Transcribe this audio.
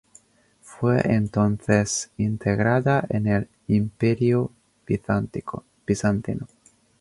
Fue entonces integrada en el Imperio bizantino.